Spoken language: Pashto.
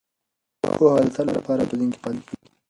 پوهه د تل لپاره په ذهن کې پاتې کیږي.